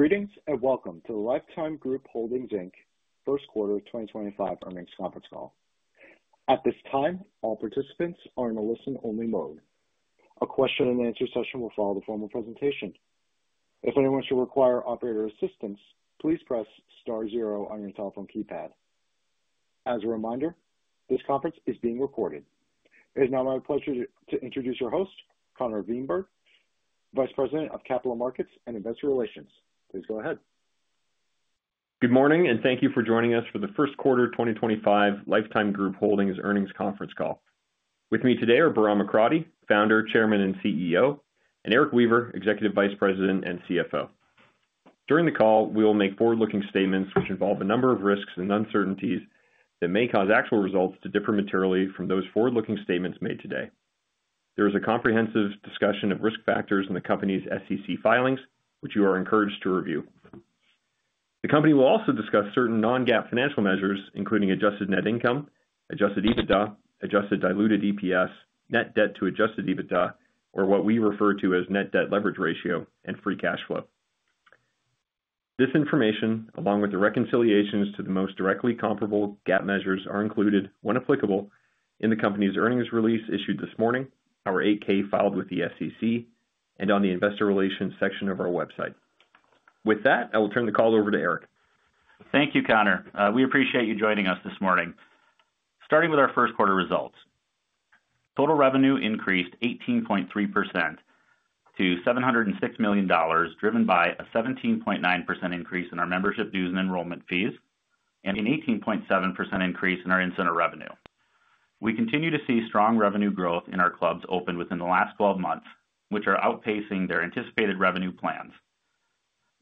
Greetings and welcome to the Life Time Group Holdings First Quarter 2025 earnings conference call. At this time, all participants are in a listen-only mode. A question-and-answer session will follow the formal presentation. If anyone should require operator assistance, please press star zero on your telephone keypad. As a reminder, this conference is being recorded. It is now my pleasure to introduce your host, Connor Wienberg, Vice President of Capital Markets and Investor Relations. Please go ahead. Good morning, and thank you for joining us for the first quarter 2025 Life Time Group Holdings earnings conference call. With me today are Bahram Akradi, Founder, Chairman, and CEO, and Erik Weaver, Executive Vice President and CFO. During the call, we will make forward-looking statements which involve a number of risks and uncertainties that may cause actual results to differ materially from those forward-looking statements made today. There is a comprehensive discussion of risk factors in the company's SEC filings, which you are encouraged to review. The company will also discuss certain non-GAAP financial measures, including adjusted net income, adjusted EBITDA, adjusted diluted EPS, net debt to adjusted EBITDA, or what we refer to as net debt leverage ratio, and free cash flow. This information, along with the reconciliations to the most directly comparable GAAP measures, are included, when applicable, in the company's earnings release issued this morning, our 8-K filed with the SEC, and on the investor relations section of our website. With that, I will turn the call over to Eric. Thank you, Connor. We appreciate you joining us this morning. Starting with our first quarter results, total revenue increased 18.3% to $706 million, driven by a 17.9% increase in our membership dues and enrollment fees, and an 18.7% increase in our in-center revenue. We continue to see strong revenue growth in our clubs open within the last 12 months, which are outpacing their anticipated revenue plans.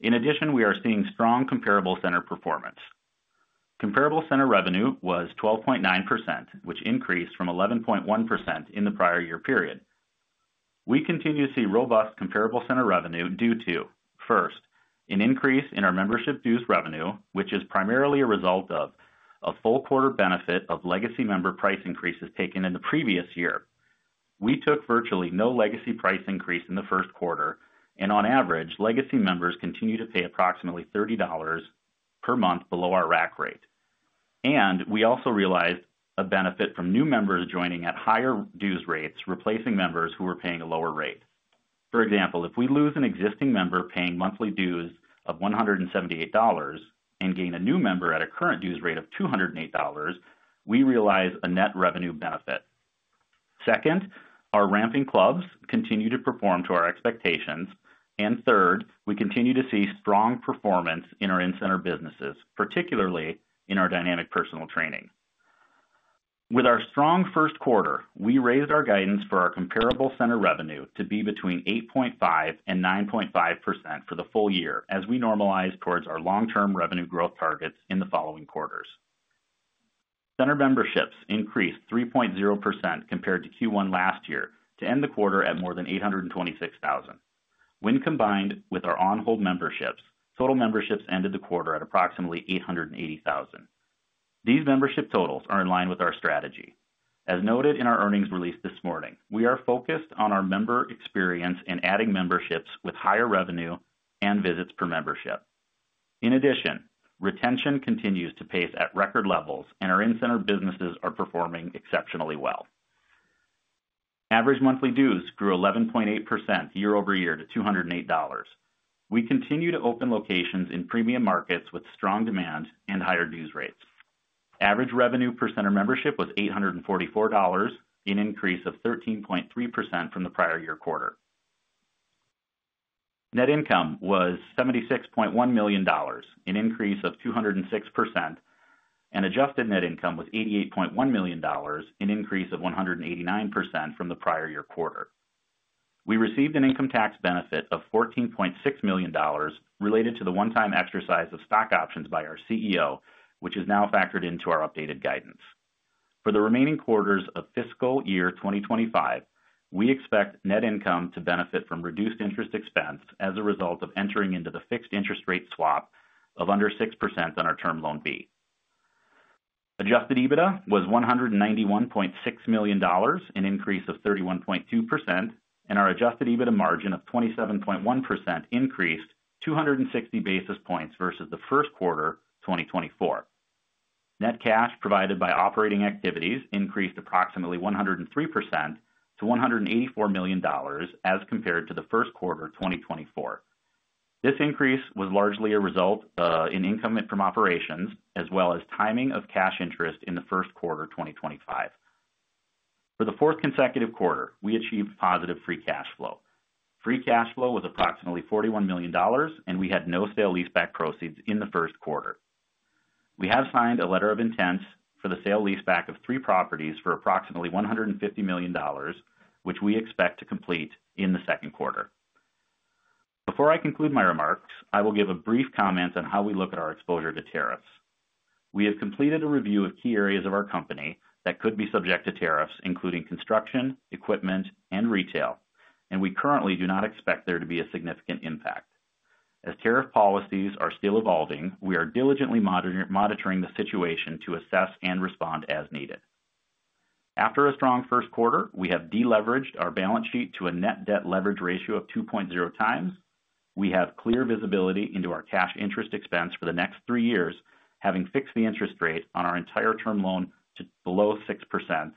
In addition, we are seeing strong comparable center performance. Comparable center revenue was 12.9%, which increased from 11.1% in the prior year period. We continue to see robust comparable center revenue due to, first, an increase in our membership dues revenue, which is primarily a result of a full quarter benefit of legacy member price increases taken in the previous year. We took virtually no legacy price increase in the first quarter, and on average, legacy members continue to pay approximately $30 per month below our rack rate. We also realized a benefit from new members joining at higher dues rates, replacing members who were paying a lower rate. For example, if we lose an existing member paying monthly dues of $178 and gain a new member at a current dues rate of $208, we realize a net revenue benefit. Second, our ramping clubs continue to perform to our expectations. Third, we continue to see strong performance in our in-center businesses, particularly in our dynamic personal training. With our strong first quarter, we raised our guidance for our comparable center revenue to be between 8.5% and 9.5% for the full year as we normalize towards our long-term revenue growth targets in the following quarters. Center memberships increased 3.0% compared to Q1 last year to end the quarter at more than 826,000. When combined with our on-hold memberships, total memberships ended the quarter at approximately 880,000. These membership totals are in line with our strategy. As noted in our earnings release this morning, we are focused on our member experience and adding memberships with higher revenue and visits per membership. In addition, retention continues to pace at record levels, and our in-center businesses are performing exceptionally well. Average monthly dues grew 11.8% year over year to $208. We continue to open locations in premium markets with strong demand and higher dues rates. Average revenue per center membership was $844, an increase of 13.3% from the prior year quarter. Net income was $76.1 million, an increase of 206%, and adjusted net income was $88.1 million, an increase of 189% from the prior year quarter. We received an income tax benefit of $14.6 million related to the one-time exercise of stock options by our CEO, which is now factored into our updated guidance. For the remaining quarters of fiscal year 2025, we expect net income to benefit from reduced interest expense as a result of entering into the fixed interest rate swap of under 6% on our term loan B. Adjusted EBITDA was $191.6 million, an increase of 31.2%, and our adjusted EBITDA margin of 27.1% increased 260 basis points versus the first quarter 2024. Net cash provided by operating activities increased approximately 103% to $184 million as compared to the first quarter 2024. This increase was largely a result of income from operations as well as timing of cash interest in the first quarter 2025. For the fourth consecutive quarter, we achieved positive free cash flow. Free cash flow was approximately $41 million, and we had no sale leaseback proceeds in the first quarter. We have signed a letter of intent for the sale leaseback of three properties for approximately $150 million, which we expect to complete in the second quarter. Before I conclude my remarks, I will give a brief comment on how we look at our exposure to tariffs. We have completed a review of key areas of our company that could be subject to tariffs, including construction, equipment, and retail, and we currently do not expect there to be a significant impact. As tariff policies are still evolving, we are diligently monitoring the situation to assess and respond as needed. After a strong first quarter, we have deleveraged our balance sheet to a net debt leverage ratio of 2.0 times. We have clear visibility into our cash interest expense for the next three years, having fixed the interest rate on our entire term loan to below 6%.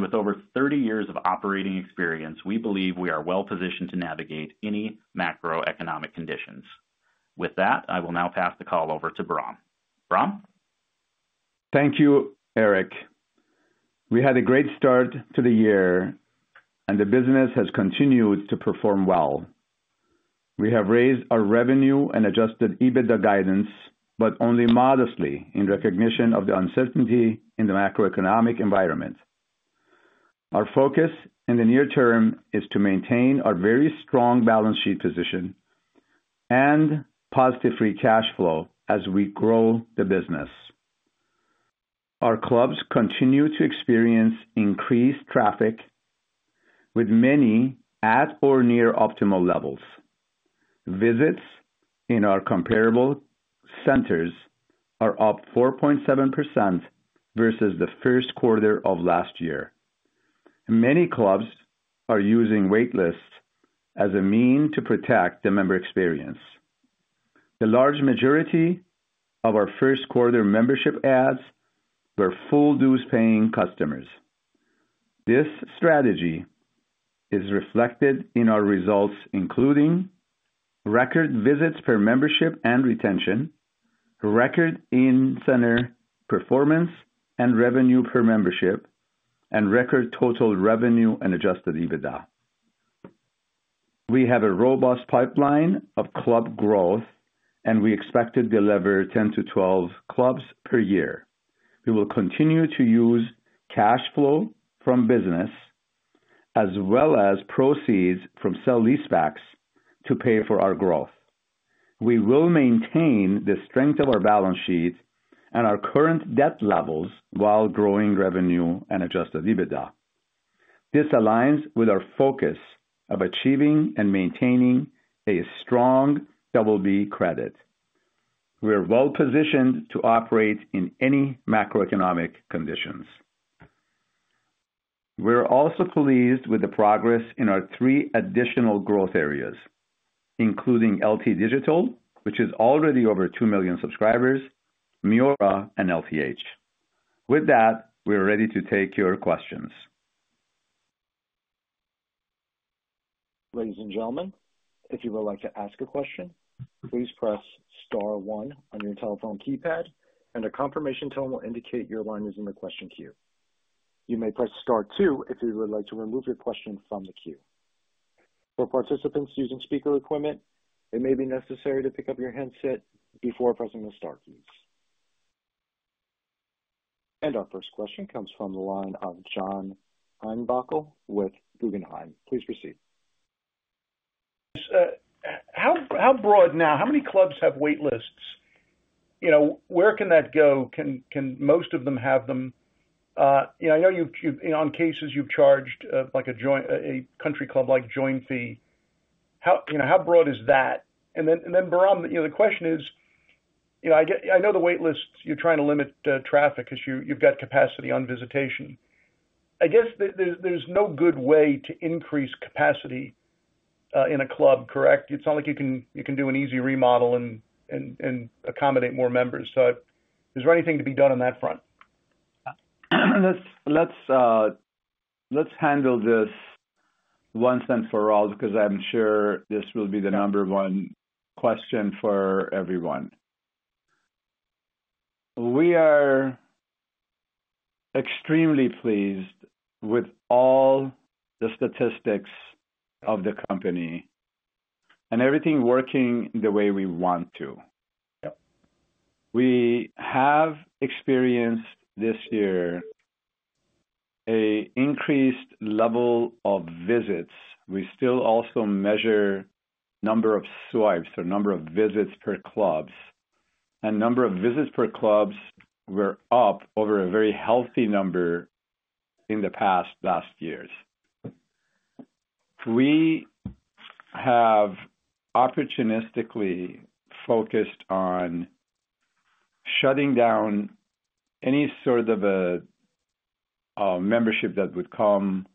With over 30 years of operating experience, we believe we are well-positioned to navigate any macroeconomic conditions. With that, I will now pass the call over to Bahram. Bahram? Thank you, Eric. We had a great start to the year, and the business has continued to perform well. We have raised our revenue and adjusted EBITDA guidance, but only modestly in recognition of the uncertainty in the macroeconomic environment. Our focus in the near term is to maintain our very strong balance sheet position and positive free cash flow as we grow the business. Our clubs continue to experience increased traffic, with many at or near optimal levels. Visits in our comparable centers are up 4.7% versus the first quarter of last year. Many clubs are using waitlists as a means to protect the member experience. The large majority of our first quarter membership ads were full dues paying customers. This strategy is reflected in our results, including record visits per membership and retention, record in-center performance and revenue per membership, and record total revenue and adjusted EBITDA. We have a robust pipeline of club growth, and we expect to deliver 10-12 clubs per year. We will continue to use cash flow from business as well as proceeds from sale leasebacks to pay for our growth. We will maintain the strength of our balance sheet and our current debt levels while growing revenue and adjusted EBITDA. This aligns with our focus of achieving and maintaining a strong Double B credit. We are well-positioned to operate in any macroeconomic conditions. We are also pleased with the progress in our three additional growth areas, including LT Digital, which is already over 2 million subscribers, Miura, and LTH. With that, we are ready to take your questions. Ladies and gentlemen, if you would like to ask a question, please press star one on your telephone keypad, and a confirmation tone will indicate your line is in the question queue. You may press star two if you would like to remove your question from the queue. For participants using speaker equipment, it may be necessary to pick up your handset before pressing the star keys. Our first question comes from the line of John Baumgartner with Guggenheim. Please proceed. How broad now? How many clubs have waitlists? Where can that go? Can most of them have them? I know in cases you've charged a country club-like joint fee. How broad is that? Bahram, the question is, I know the waitlists, you're trying to limit traffic because you've got capacity on visitation. I guess there's no good way to increase capacity in a club, correct? It's not like you can do an easy remodel and accommodate more members. Is there anything to be done on that front? Let's handle this once and for all because I'm sure this will be the number one question for everyone. We are extremely pleased with all the statistics of the company and everything working the way we want to. We have experienced this year an increased level of visits. We still also measure the number of swipes or number of visits per clubs, and number of visits per clubs were up over a very healthy number in the past last years. We have opportunistically focused on shutting down any sort of a membership that would come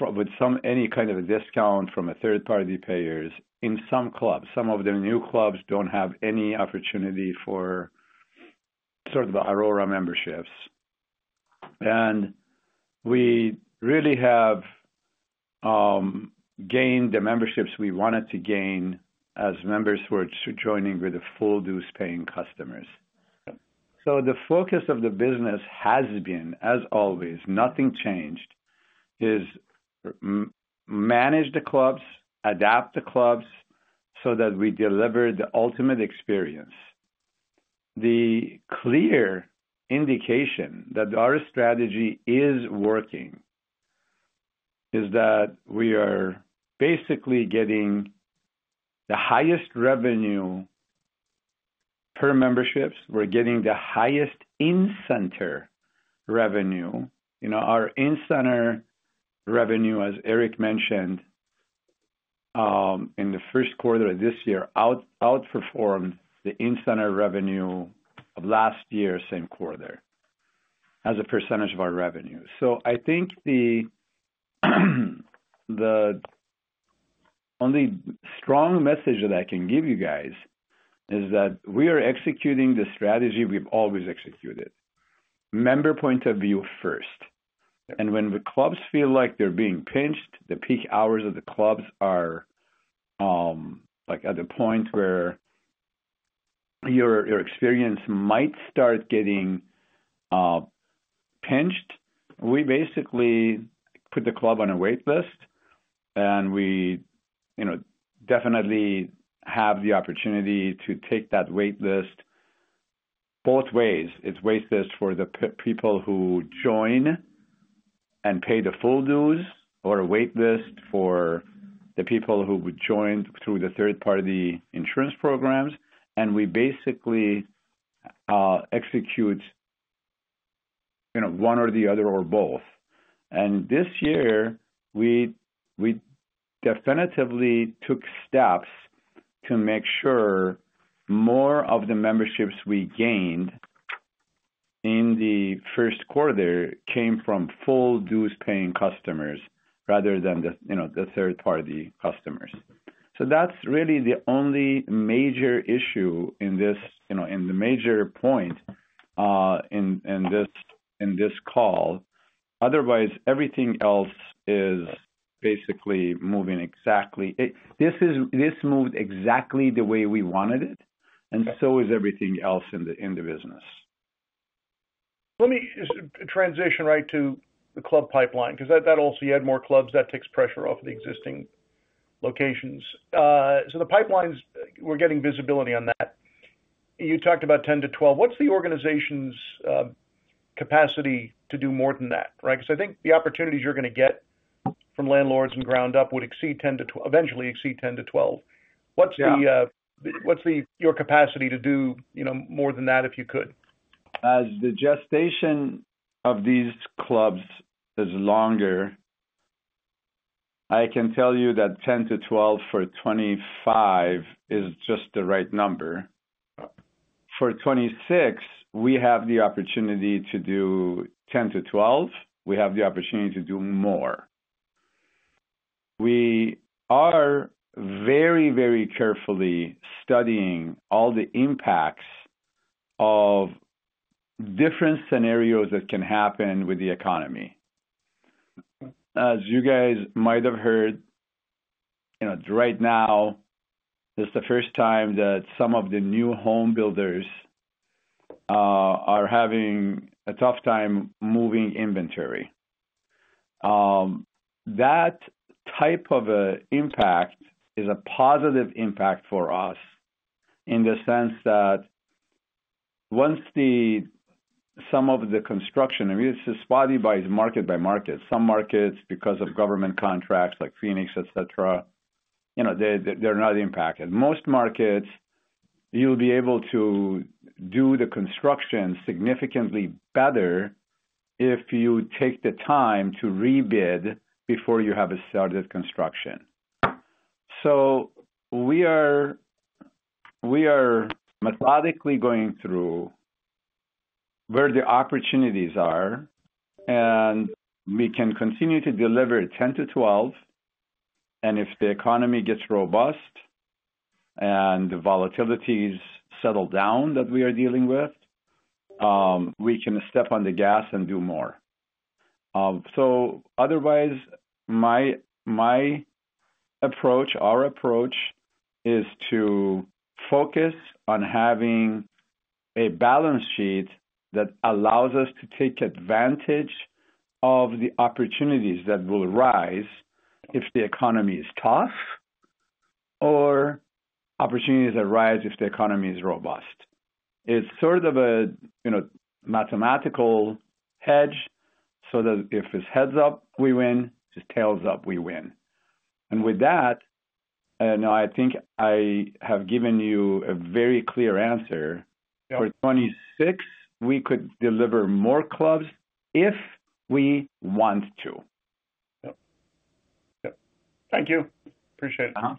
with any kind of a discount from third-party payers in some clubs. Some of the new clubs don't have any opportunity for sort of the Aurora memberships. And we really have gained the memberships we wanted to gain as members who are joining with full dues paying customers. The focus of the business has been, as always, nothing changed, is manage the clubs, adapt the clubs so that we deliver the ultimate experience. The clear indication that our strategy is working is that we are basically getting the highest revenue per memberships. We're getting the highest in-center revenue. Our in-center revenue, as Eric mentioned, in the first quarter of this year outperformed the in-center revenue of last year, same quarter, as a percentage of our revenue. I think the only strong message that I can give you guys is that we are executing the strategy we've always executed: member point of view first. When the clubs feel like they're being pinched, the peak hours of the clubs are at the point where your experience might start getting pinched. We basically put the club on a waitlist, and we definitely have the opportunity to take that waitlist both ways. It's a waitlist for the people who join and pay the full dues or a waitlist for the people who would join through the third-party insurance programs. We basically execute one or the other or both. This year, we definitively took steps to make sure more of the memberships we gained in the first quarter came from full dues paying customers rather than the third-party customers. That's really the only major issue and the major point in this call. Otherwise, everything else is basically moving exactly. This moved exactly the way we wanted it, and so is everything else in the business. Let me transition right to the club pipeline because that also you had more clubs. That takes pressure off of the existing locations. The pipelines, we're getting visibility on that. You talked about 10-12. What's the organization's capacity to do more than that? Because I think the opportunities you're going to get from landlords and ground up would eventually exceed 10-12. What's your capacity to do more than that if you could? As the gestation of these clubs is longer, I can tell you that 10-12 for 2025 is just the right number. For 2026, we have the opportunity to do 10-12. We have the opportunity to do more. We are very, very carefully studying all the impacts of different scenarios that can happen with the economy. As you guys might have heard, right now, it's the first time that some of the new homebuilders are having a tough time moving inventory. That type of impact is a positive impact for us in the sense that once some of the construction, I mean, it's spotty by market by market. Some markets, because of government contracts like Phoenix, etc., they're not impacted. Most markets, you'll be able to do the construction significantly better if you take the time to rebid before you have started construction. We are methodically going through where the opportunities are, and we can continue to deliver 10-12. If the economy gets robust and the volatilities settle down that we are dealing with, we can step on the gas and do more. Otherwise, my approach, our approach, is to focus on having a balance sheet that allows us to take advantage of the opportunities that will rise if the economy is tough or opportunities that rise if the economy is robust. It is sort of a mathematical hedge so that if it is heads up, we win; if it is tails up, we win. With that, I think I have given you a very clear answer. For 2026, we could deliver more clubs if we want to. Thank you. Appreciate it.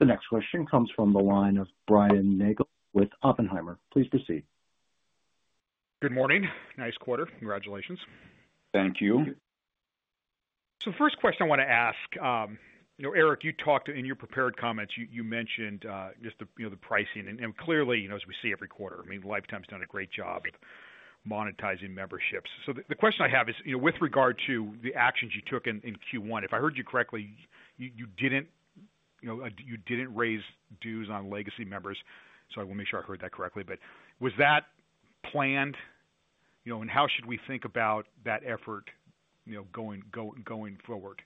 The next question comes from the line of Brian Nagel with Oppenheimer. Please proceed. Good morning. Nice quarter. Congratulations. Thank you. First question I want to ask, Eric, you talked in your prepared comments, you mentioned just the pricing. Clearly, as we see every quarter, Life Time's done a great job of monetizing memberships. The question I have is, with regard to the actions you took in Q1, if I heard you correctly, you did not raise dues on legacy members. I want to make sure I heard that correctly. Was that planned? How should we think about that effort going forward?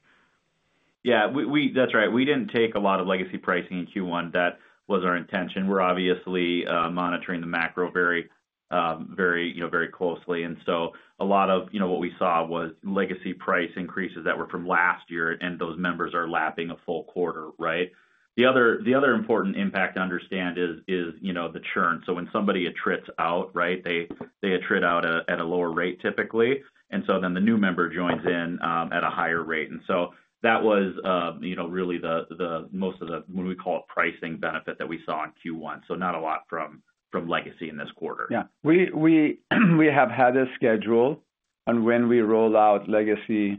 Yeah, that's right. We didn't take a lot of legacy pricing in Q1. That was our intention. We're obviously monitoring the macro very, very closely. A lot of what we saw was legacy price increases that were from last year, and those members are lapping a full quarter, right? The other important impact to understand is the churn. When somebody attrits out, right, they attrit out at a lower rate typically. The new member joins in at a higher rate. That was really most of the, what we call a pricing benefit that we saw in Q1. Not a lot from legacy in this quarter. Yeah. We have had a schedule on when we roll out legacy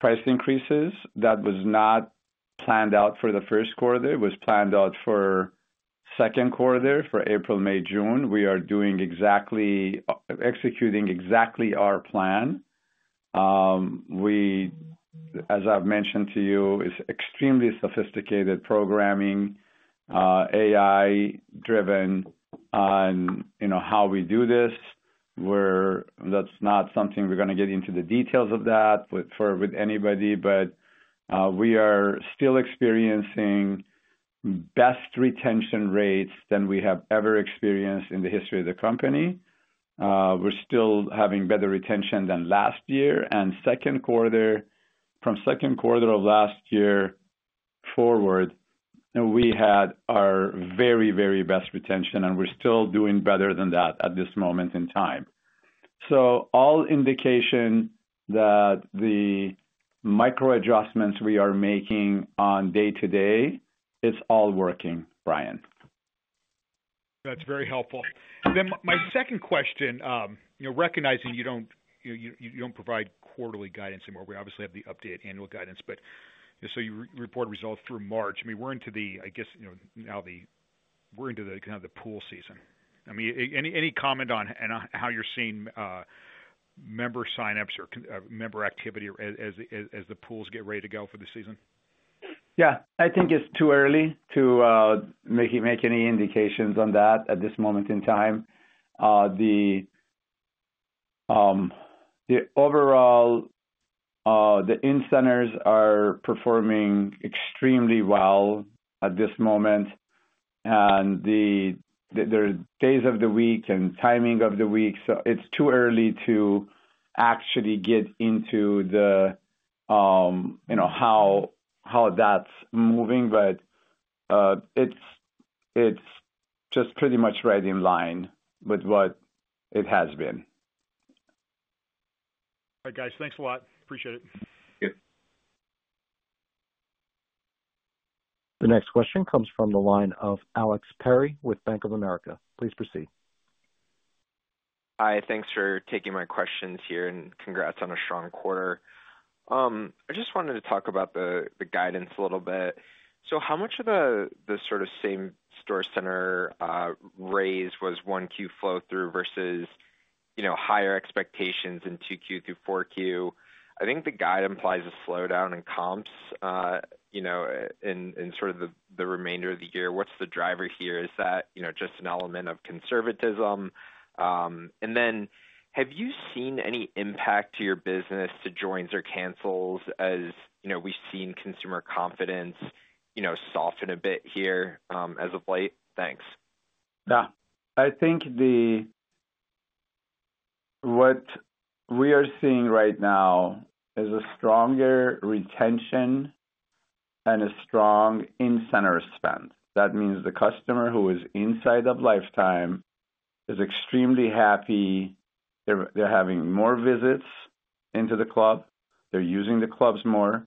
price increases. That was not planned out for the first quarter. It was planned out for the second quarter, for April, May, June. We are executing exactly our plan. As I've mentioned to you, it's extremely sophisticated programming, AI-driven on how we do this. That's not something we're going to get into the details of that with anybody. We are still experiencing best retention rates than we have ever experienced in the history of the company. We're still having better retention than last year. From the second quarter of last year forward, we had our very, very best retention, and we're still doing better than that at this moment in time. All indication that the micro-adjustments we are making on day-to-day, it's all working, Brian. That's very helpful. My second question, recognizing you don't provide quarterly guidance anymore, we obviously have the updated annual guidance, but you report results through March. I mean, we're into the, I guess, now we're into the kind of the pool season. I mean, any comment on how you're seeing member signups or member activity as the pools get ready to go for the season? Yeah. I think it's too early to make any indications on that at this moment in time. Overall, the incentives are performing extremely well at this moment. The days of the week and timing of the week, it's too early to actually get into how that's moving, but it's just pretty much right in line with what it has been. All right, guys. Thanks a lot. Appreciate it. The next question comes from the line of Alex Perry with Bank of America. Please proceed. Hi. Thanks for taking my questions here, and congrats on a strong quarter. I just wanted to talk about the guidance a little bit. How much of the sort of same store center raise was 1Q flow through versus higher expectations in 2Q through f4Q? I think the guide implies a slowdown in comps in sort of the remainder of the year. What's the driver here? Is that just an element of conservatism? Have you seen any impact to your business to joins or cancels as we've seen consumer confidence soften a bit here as of late? Thanks. Yeah. I think what we are seeing right now is a stronger retention and a strong in-center spend. That means the customer who is inside of Life Time is extremely happy. They're having more visits into the club. They're using the clubs more.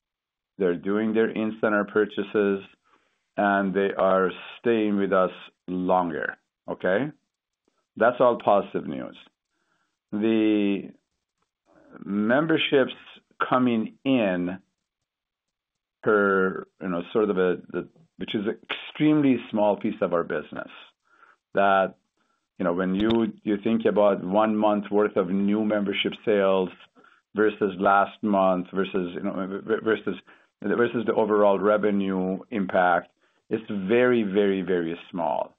They're doing their in-center purchases, and they are staying with us longer. Okay? That's all positive news. The memberships coming in per sort of a, which is an extremely small piece of our business, that when you think about one month's worth of new membership sales versus last month versus the overall revenue impact, it's very, very, very small.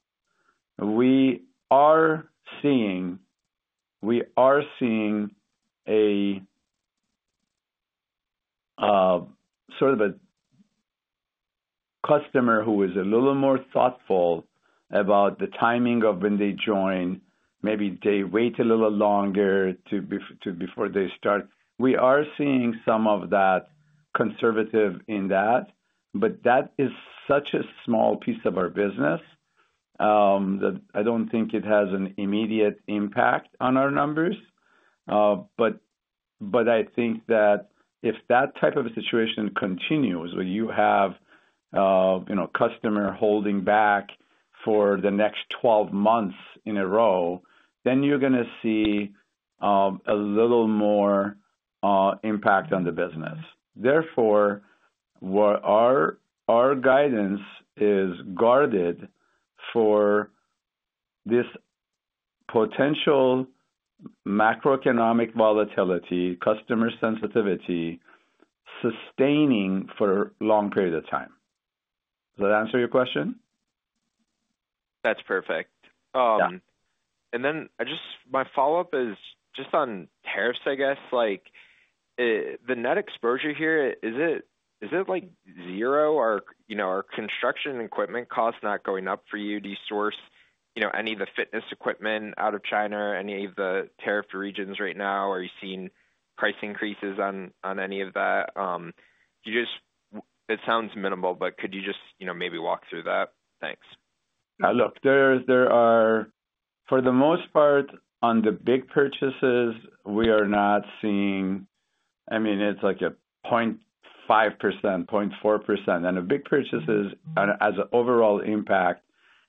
We are seeing a sort of a customer who is a little more thoughtful about the timing of when they join. Maybe they wait a little longer before they start. We are seeing some of that conservative in that, but that is such a small piece of our business that I don't think it has an immediate impact on our numbers. I think that if that type of a situation continues, where you have customer holding back for the next 12 months in a row, then you're going to see a little more impact on the business. Therefore, our guidance is guarded for this potential macroeconomic volatility, customer sensitivity sustaining for a long period of time. Does that answer your question? That's perfect. My follow-up is just on tariffs, I guess. The net exposure here, is it like zero? Are construction equipment costs not going up for you? Do you source any of the fitness equipment out of China or any of the tariff regions right now? Are you seeing price increases on any of that? It sounds minimal, but could you just maybe walk through that? Thanks. Look, there are, for the most part, on the big purchases, we are not seeing, I mean, it's like a 0.5%, 0.4%. The big purchases, as an overall impact,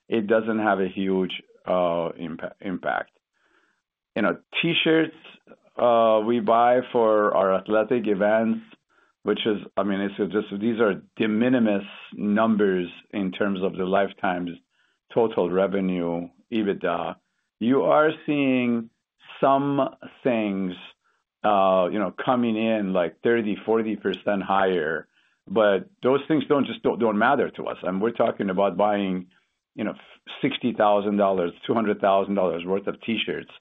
it doesn't have a huge impact. T-shirts we buy for our athletic events, which is, I mean, these are de minimis numbers in terms of Life Time's total revenue, EBITDA. You are seeing some things coming in like 30%-40% higher, but those things don't matter to us. We are talking about buying $60,000-$200,000 worth of T-shirts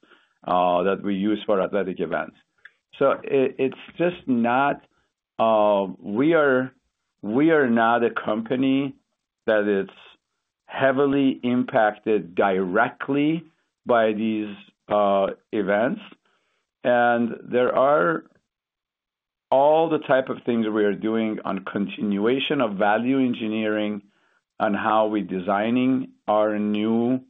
that we use for athletic events. It is just not, we are not a company that is heavily impacted directly by these events. There are all the type of things we are doing on continuation of value engineering on how we're designing our new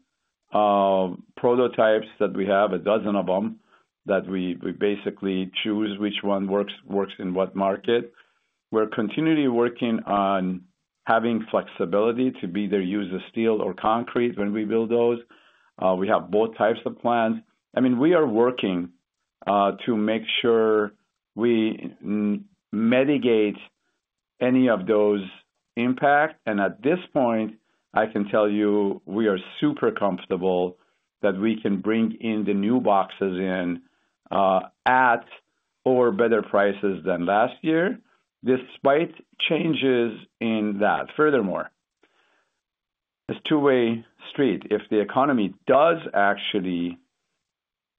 prototypes that we have, a dozen of them, that we basically choose which one works in what market. We're continually working on having flexibility to be there use of steel or concrete when we build those. We have both types of plans. I mean, we are working to make sure we mitigate any of those impacts. At this point, I can tell you we are super comfortable that we can bring in the new boxes in at or better prices than last year, despite changes in that. Furthermore, it's a two-way street. If the economy does actually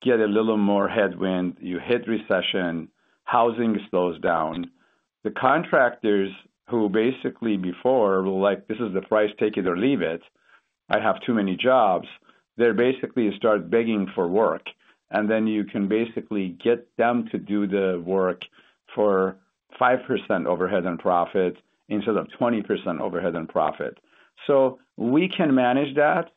get a little more headwind, you hit recession, housing slows down, the contractors who basically before were like, "This is the price, take it or leave it. I have too many jobs," they're basically start begging for work. Then you can basically get them to do the work for 5% overhead and profit instead of 20% overhead and profit. We can manage that.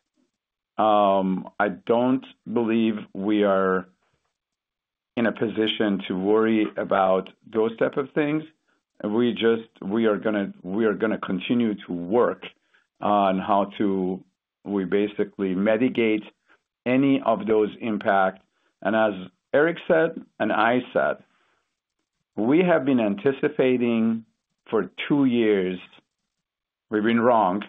I do not believe we are in a position to worry about those types of things. We are going to continue to work on how to basically mitigate any of those impacts. As Eric said and I said, we have been anticipating for two years. We have been wrong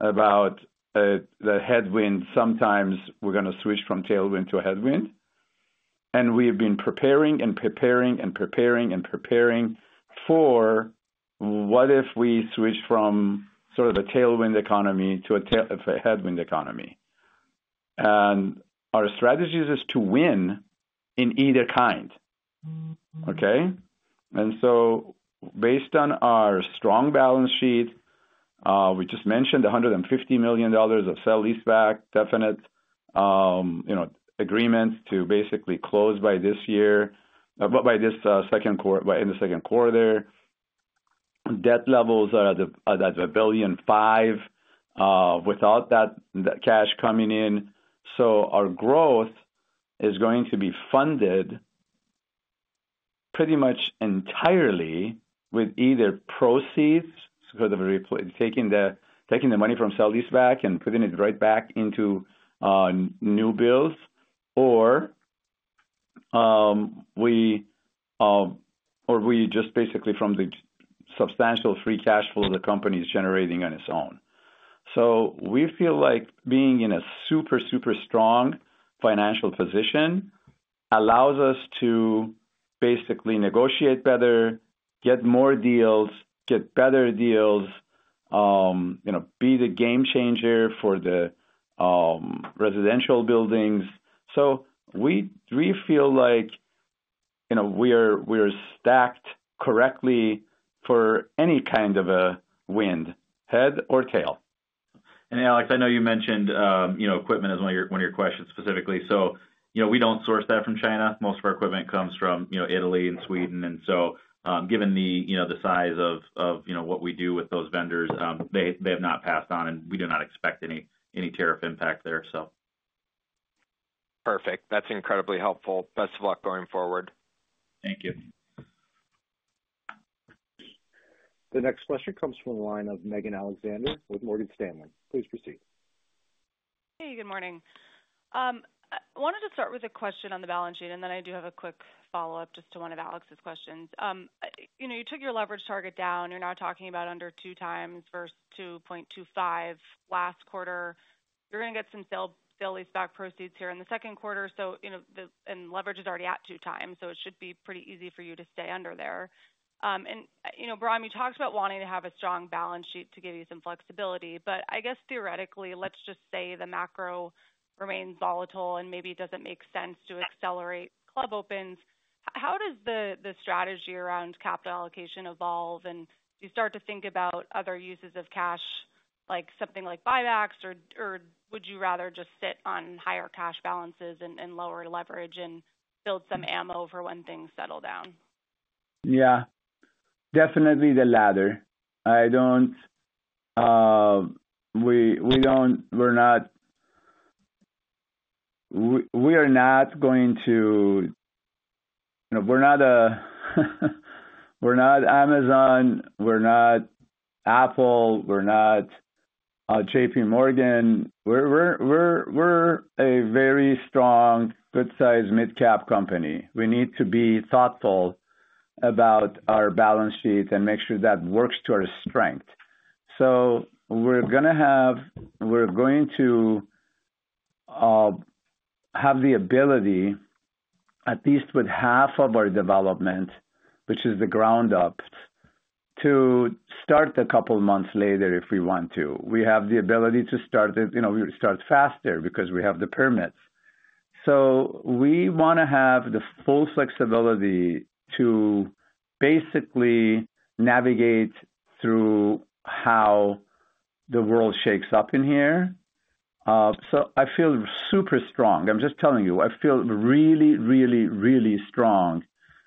about the headwind. Sometimes we are going to switch from tailwind to headwind. We have been preparing and preparing and preparing and preparing for what if we switch from sort of a tailwind economy to a headwind economy. Our strategy is to win in either kind. Okay? Based on our strong balance sheet, we just mentioned $150 million of sell lease back, definite agreement to basically close by this year, by this second quarter, in the second quarter. Debt levels are at $1.5 billion without that cash coming in. Our growth is going to be funded pretty much entirely with either proceeds because of taking the money from sell lease back and putting it right back into new builds, or just basically from the substantial free cash flow the company is generating on its own. We feel like being in a super, super strong financial position allows us to basically negotiate better, get more deals, get better deals, be the game changer for the residential buildings. We feel like we are stacked correctly for any kind of a wind, head or tail. Alex, I know you mentioned equipment as one of your questions specifically. We do not source that from China. Most of our equipment comes from Italy and Sweden. Given the size of what we do with those vendors, they have not passed on, and we do not expect any tariff impact there. Perfect. That's incredibly helpful. Best of luck going forward. Thank you. The next question comes from the line of Megan Alexander with Morgan Stanley. Please proceed. Hey, good morning. I wanted to start with a question on the balance sheet, and then I do have a quick follow-up just to one of Alex's questions. You took your leverage target down. You're now talking about under two times versus 2.25 last quarter. You're going to get some sale lease back proceeds here in the second quarter. Leverage is already at two times, so it should be pretty easy for you to stay under there. Brian, you talked about wanting to have a strong balance sheet to give you some flexibility. I guess theoretically, let's just say the macro remains volatile and maybe it does not make sense to accelerate club opens. How does the strategy around capital allocation evolve? Do you start to think about other uses of cash, like something like buybacks, or would you rather just sit on higher cash balances and lower leverage and build some ammo for when things settle down? Yeah. Definitely the latter. We are not going to—we're not Amazon. We're not Apple. We're not JP Morgan. We're a very strong, good-sized mid-cap company. We need to be thoughtful about our balance sheet and make sure that works to our strength. We are going to have the ability, at least with half of our development, which is the ground up, to start a couple of months later if we want to. We have the ability to start it. We start faster because we have the permits. We want to have the full flexibility to basically navigate through how the world shakes up in here. I feel super strong. I'm just telling you, I feel really, really, really strong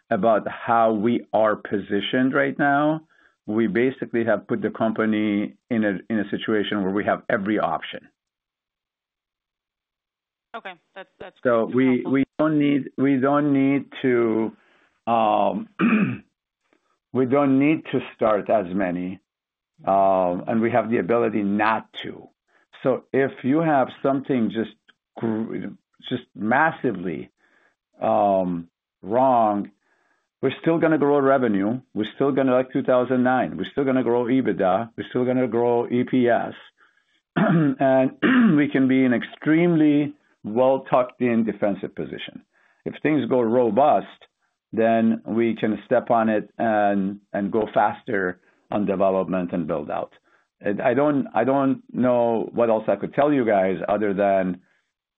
about how we are positioned right now. We basically have put the company in a situation where we have every option. Okay. That's good. We don't need to start as many. We have the ability not to. If you have something just massively wrong, we're still going to grow revenue. We're still going to, like 2009, we're still going to grow EBITDA. We're still going to grow EPS. We can be in an extremely well-tucked-in defensive position. If things go robust, then we can step on it and go faster on development and build out. I don't know what else I could tell you guys other than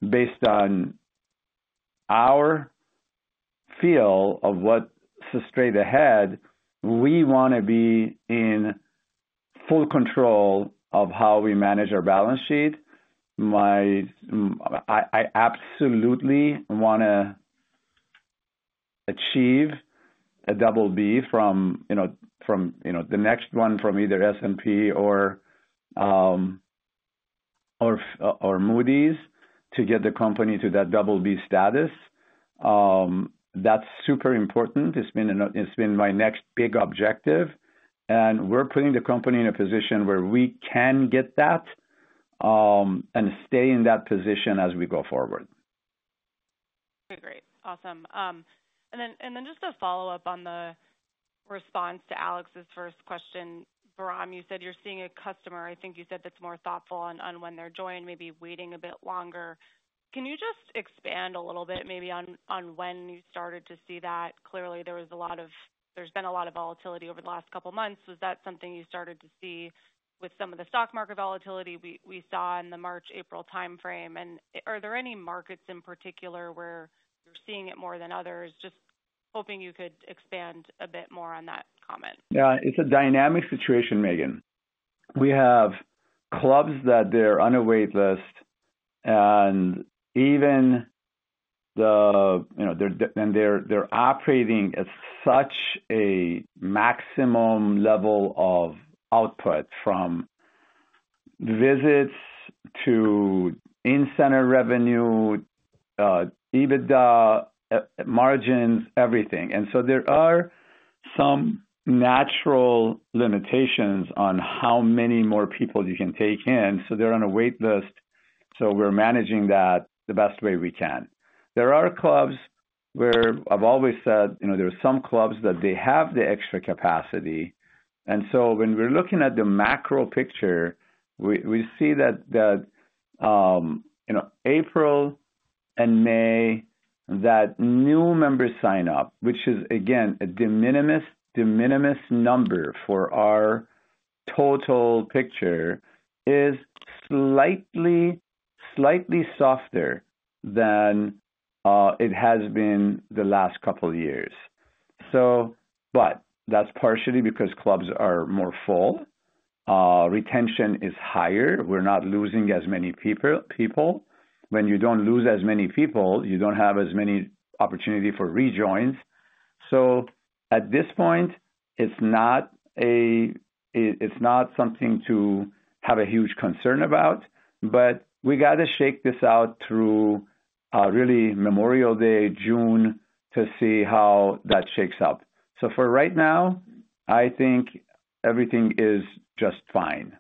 based on our feel of what's straight ahead, we want to be in full control of how we manage our balance sheet. I absolutely want to achieve a double B from the next one from either S&P or Moody's to get the company to that double B status. That's super important. It's been my next big objective. We're putting the company in a position where we can get that and stay in that position as we go forward. Okay. Great. Awesome. Just to follow up on the response to Alex's first question, Bahram, you said you're seeing a customer, I think you said, that's more thoughtful on when they're joining, maybe waiting a bit longer. Can you just expand a little bit maybe on when you started to see that? Clearly, there's been a lot of volatility over the last couple of months. Was that something you started to see with some of the stock market volatility we saw in the March-April timeframe? Are there any markets in particular where you're seeing it more than others? Just hoping you could expand a bit more on that comment. Yeah. It's a dynamic situation, Megan. We have clubs that they're on a waitlist, and even the—they're operating at such a maximum level of output from visits to in-center revenue, EBITDA, margins, everything. There are some natural limitations on how many more people you can take in. They're on a waitlist. We're managing that the best way we can. There are clubs where I've always said there are some clubs that they have the extra capacity. When we're looking at the macro picture, we see that April and May, that new members sign up, which is, again, a de minimis number for our total picture, is slightly softer than it has been the last couple of years. That's partially because clubs are more full. Retention is higher. We're not losing as many people. When you don't lose as many people, you don't have as many opportunities for rejoins. At this point, it's not something to have a huge concern about. We got to shake this out through really Memorial Day, June, to see how that shakes up. For right now, I think everything is just fine.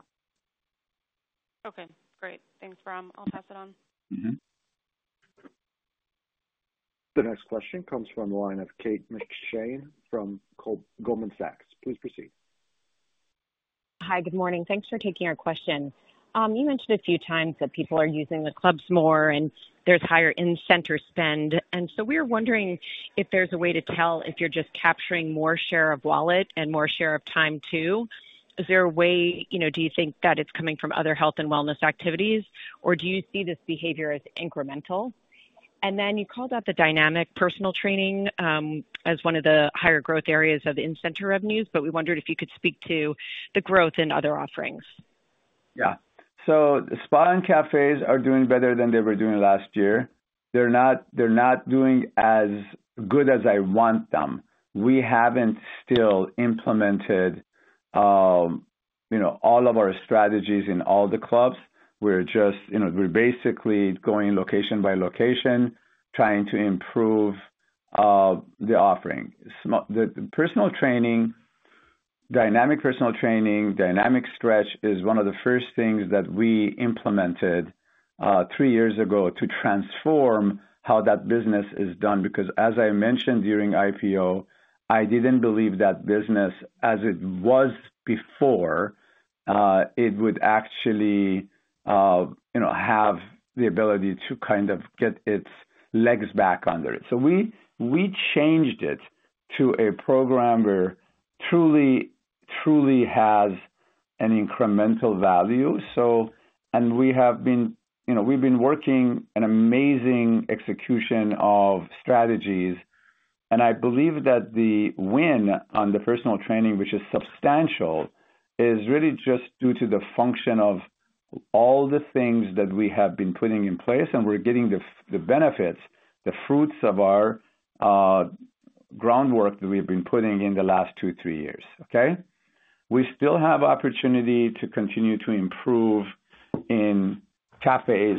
Okay. Great. Thanks, Bahram. I'll pass it on. The next question comes from the line of Kate McShane from Goldman Sachs. Please proceed. Hi, good morning. Thanks for taking our question. You mentioned a few times that people are using the clubs more, and there's higher in-center spend. We are wondering if there's a way to tell if you're just capturing more share of wallet and more share of time too. Is there a way—do you think that it's coming from other health and wellness activities, or do you see this behavior as incremental? You called out the dynamic personal training as one of the higher growth areas of in-center revenues, but we wondered if you could speak to the growth in other offerings. Yeah. Spot on, Cafes are doing better than they were doing last year. They're not doing as good as I want them. We haven't still implemented all of our strategies in all the clubs. We're basically going location by location, trying to improve the offering. The personal training, Dynamic Personal Training, dynamic stretch is one of the first things that we implemented three years ago to transform how that business is done. Because, as I mentioned during IPO, I didn't believe that business, as it was before, it would actually have the ability to kind of get its legs back under it. We changed it to a program where it truly has an incremental value. We have been working an amazing execution of strategies. I believe that the win on the personal training, which is substantial, is really just due to the function of all the things that we have been putting in place. We're getting the benefits, the fruits of our groundwork that we have been putting in the last two, three years. We still have opportunity to continue to improve in cafes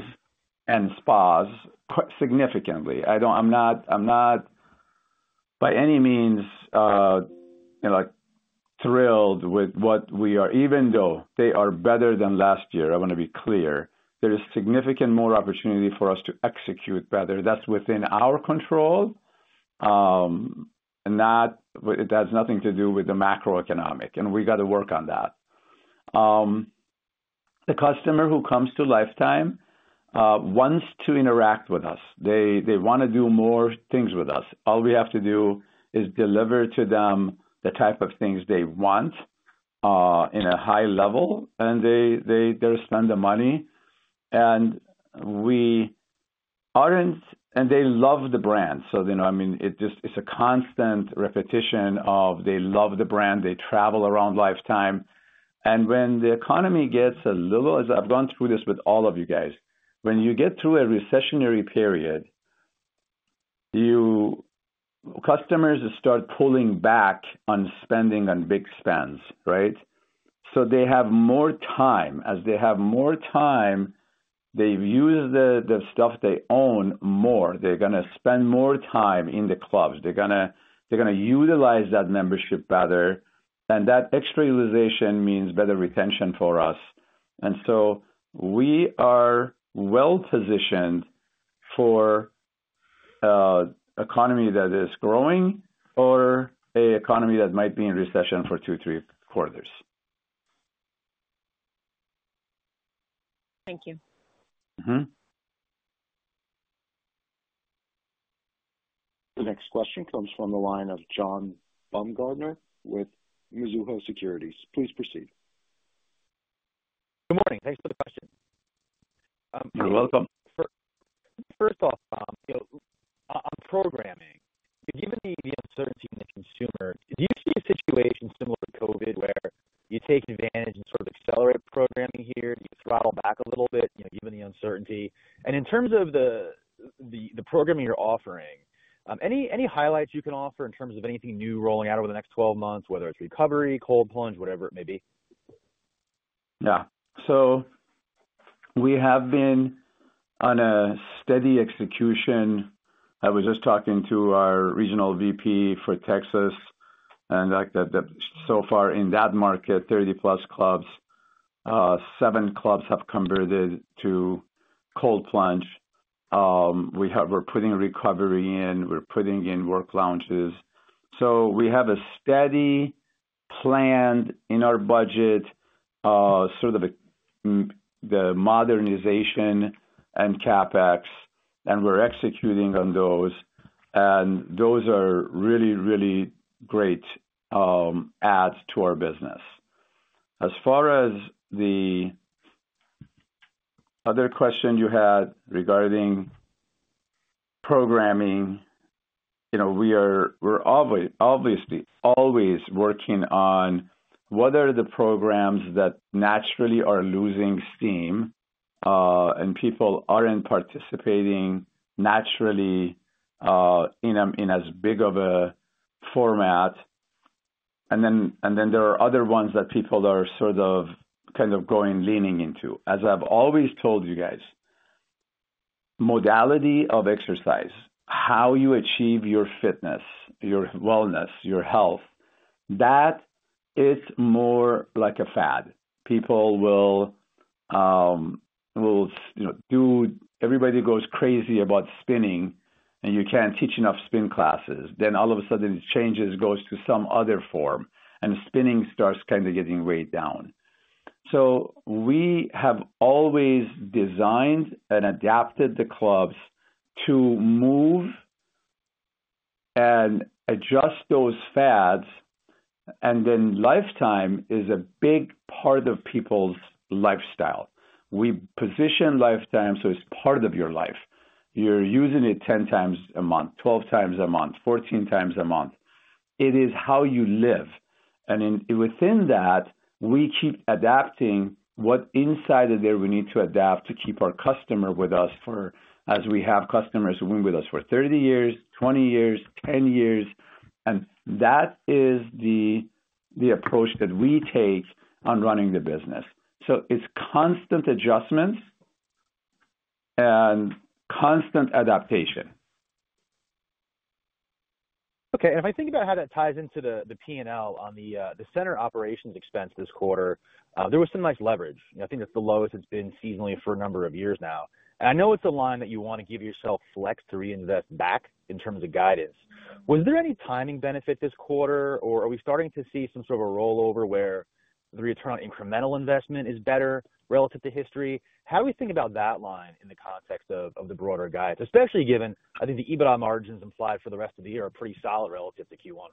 and spas significantly. I'm not, by any means, thrilled with what we are, even though they are better than last year. I want to be clear. There is significant more opportunity for us to execute better. That's within our control. That has nothing to do with the macroeconomic. We got to work on that. The customer who comes to Life Time wants to interact with us. They want to do more things with us. All we have to do is deliver to them the type of things they want in a high level, and they're spending the money. They love the brand. I mean, it's a constant repetition of they love the brand. They travel around Life Time. When the economy gets a little—I have gone through this with all of you guys. When you get through a recessionary period, customers start pulling back on spending on big spends, right? They have more time. As they have more time, they use the stuff they own more. They're going to spend more time in the clubs. They're going to utilize that membership better. That extra utilization means better retention for us. We are well-positioned for an economy that is growing or an economy that might be in recession for two, three quarters. Thank you. The next question comes from the line of John Baumgartner with Mizuho Securities. Please proceed. Good morning. Thanks for the question. You're welcome. First off, on programming, given the uncertainty in the consumer, do you see a situation similar to COVID where you take advantage and sort of accelerate programming here? Do you throttle back a little bit given the uncertainty? In terms of the programming you're offering, any highlights you can offer in terms of anything new rolling out over the next 12 months, whether it's recovery, cold plunge, whatever it may be? Yeah. We have been on a steady execution. I was just talking to our regional VP for Texas. In that market, 30-plus clubs, seven clubs have converted to cold plunge. We're putting recovery in. We're putting in work lounges. We have a steady plan in our budget, sort of the modernization and CapEx. We're executing on those. Those are really, really great adds to our business. As far as the other question you had regarding programming, we're obviously always working on what are the programs that naturally are losing steam and people aren't participating naturally in as big of a format. There are other ones that people are sort of kind of going, leaning into. As I've always told you guys, modality of exercise, how you achieve your fitness, your wellness, your health, that it's more like a fad. People will do—everybody goes crazy about spinning, and you can't teach enough spin classes. Then all of a sudden, it changes, goes to some other form, and spinning starts kind of getting weighed down. We have always designed and adapted the clubs to move and adjust those fads. Lifetime is a big part of people's lifestyle. We position Lifetime so it's part of your life. You're using it 10 times a month, 12 times a month, 14 times a month. It is how you live. Within that, we keep adapting what inside of there we need to adapt to keep our customer with us for as we have customers who have been with us for 30 years, 20 years, 10 years. That is the approach that we take on running the business. It's constant adjustments and constant adaptation. Okay. If I think about how that ties into the P&L on the center operations expense this quarter, there was some nice leverage. I think that's the lowest it's been seasonally for a number of years now. I know it's a line that you want to give yourself flex to reinvest back in terms of guidance. Was there any timing benefit this quarter, or are we starting to see some sort of a rollover where the return on incremental investment is better relative to history? How do we think about that line in the context of the broader guidance, especially given I think the EBITDA margins implied for the rest of the year are pretty solid relative to Q1?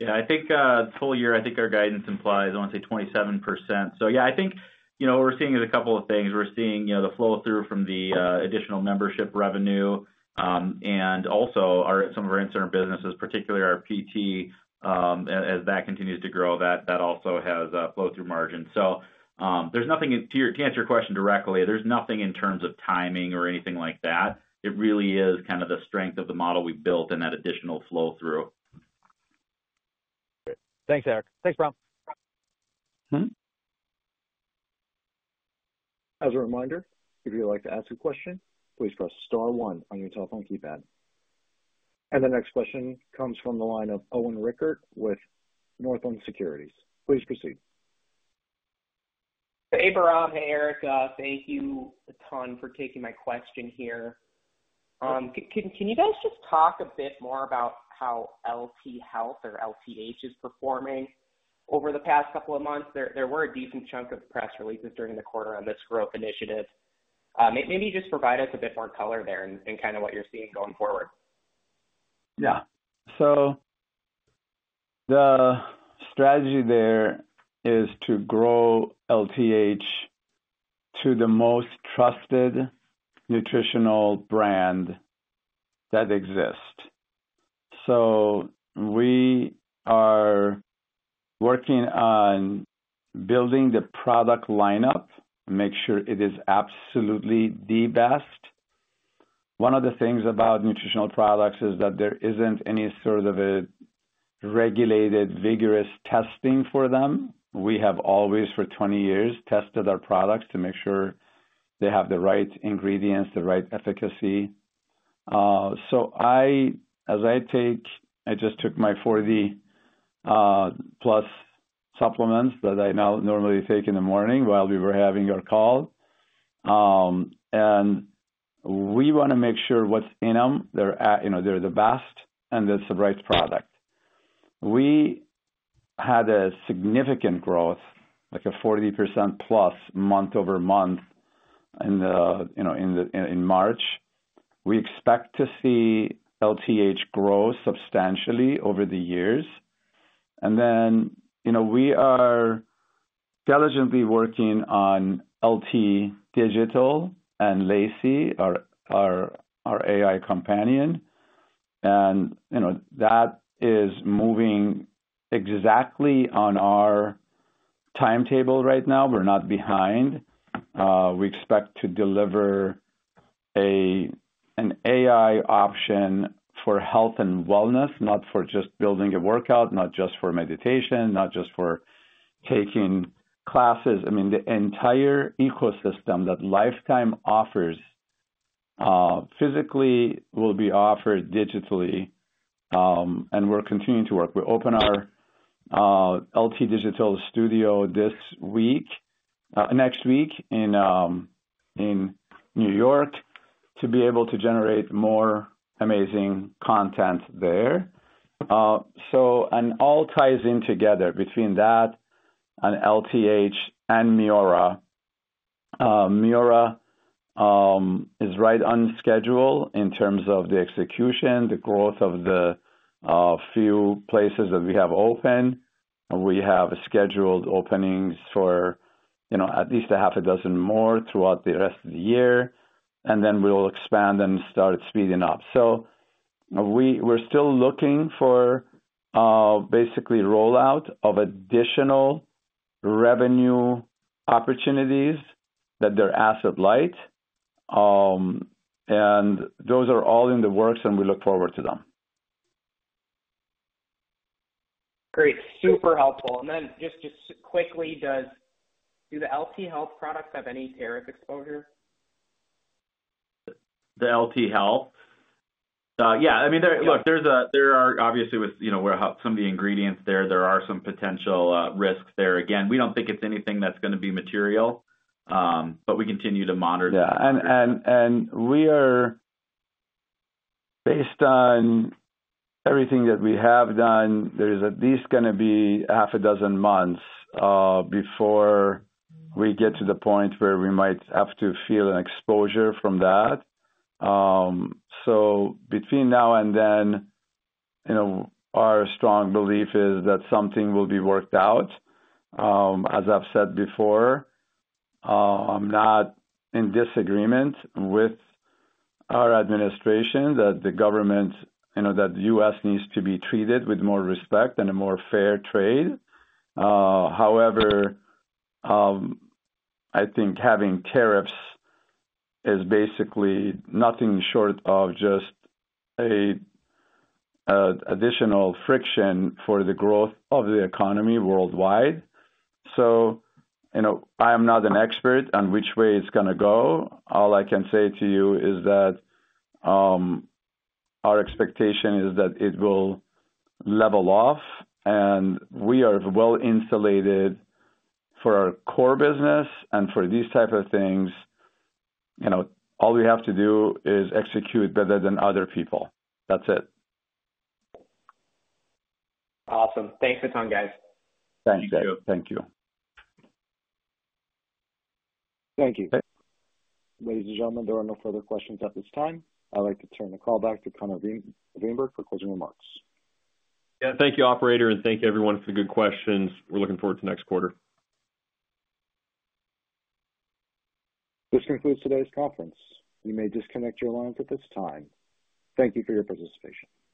Yeah. I think the full year, I think our guidance implies, I want to say, 27%. Yeah, I think what we're seeing is a couple of things. We're seeing the flow-through from the additional membership revenue. Also, some of our in-center businesses, particularly our PT, as that continues to grow, that also has flow-through margins. To answer your question directly, there's nothing in terms of timing or anything like that. It really is kind of the strength of the model we built and that additional flow-through. Thanks, Eric. Thanks, Bahram. As a reminder, if you'd like to ask a question, please press star one on your telephone keypad. The next question comes from the line of Owen Rickert with Northland Securities. Please proceed. Hey, Bahram. Hey, Eric. Thank you a ton for taking my question here. Can you guys just talk a bit more about how LT Health or LTH is performing over the past couple of months? There were a decent chunk of press releases during the quarter on this growth initiative. Maybe just provide us a bit more color there and kind of what you're seeing going forward. Yeah. The strategy there is to grow LTH to the most trusted nutritional brand that exists. We are working on building the product lineup, make sure it is absolutely the best. One of the things about nutritional products is that there is not any sort of a regulated, vigorous testing for them. We have always, for 20 years, tested our products to make sure they have the right ingredients, the right efficacy. As I take—I just took my 40-plus supplements that I normally take in the morning while we were having our call. We want to make sure what is in them, they are the best, and it is the right product. We had significant growth, like a 40% plus month-over-month in March. We expect to see LTH grow substantially over the years. We are diligently working on LT Digital and L.AI.C, our AI companion. That is moving exactly on our timetable right now. We're not behind. We expect to deliver an AI option for health and wellness, not for just building a workout, not just for meditation, not just for taking classes. I mean, the entire ecosystem that Life Time offers physically will be offered digitally. We're continuing to work. We open our LT Digital Studio next week in New York to be able to generate more amazing content there. It all ties in together between that and LTH and Miura. Miura is right on schedule in terms of the execution, the growth of the few places that we have open. We have scheduled openings for at least half a dozen more throughout the rest of the year. We will expand and start speeding up. We're still looking for basically rollout of additional revenue opportunities that are asset-light. Those are all in the works, and we look forward to them. Great. Super helpful. And then just quickly, do the LT Health products have any tariff exposure? The LTH Health? Yeah. I mean, look, there are obviously, with some of the ingredients there, there are some potential risks there. Again, we do not think it is anything that is going to be material, but we continue to monitor. Yeah. Based on everything that we have done, there is at least going to be half a dozen months before we get to the point where we might have to feel an exposure from that. Between now and then, our strong belief is that something will be worked out. As I've said before, I'm not in disagreement with our administration that the government, that the U.S. needs to be treated with more respect and a more fair trade. However, I think having tariffs is basically nothing short of just an additional friction for the growth of the economy worldwide. I am not an expert on which way it's going to go. All I can say to you is that our expectation is that it will level off. We are well-insulated for our core business. For these types of things, all we have to do is execute better than other people. That's it. Awesome. Thanks a ton, guys. Thank you. Thank you. Thank you. Ladies and gentlemen, there are no further questions at this time. I'd like to turn the call back to Connor Wienberg for closing remarks. Yeah. Thank you, operator. Thank you, everyone, for the good questions. We're looking forward to next quarter. This concludes today's conference. You may disconnect your lines at this time. Thank you for your participation.